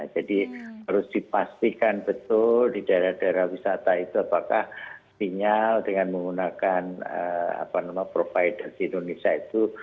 jadi harus dipastikan betul di daerah daerah wisata itu apakah sinyal dengan menggunakan provider di indonesia itu